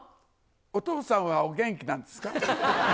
お父さんはお元気なんですか？